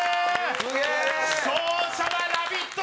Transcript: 勝者は「ラヴィット！」